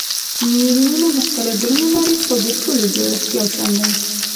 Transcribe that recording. نیورونونه مختلف ډولونه لري خو د ټولو جوړښت یو شان دی.